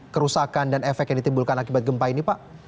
kerusakan dan efek yang ditimbulkan akibat gempa ini pak